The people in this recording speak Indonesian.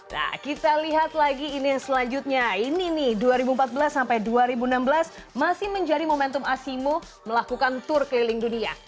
nah kita lihat lagi ini yang selanjutnya ini nih dua ribu empat belas sampai dua ribu enam belas masih menjadi momentum asimo melakukan tur keliling dunia